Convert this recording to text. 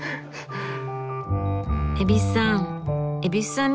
蛭子さん。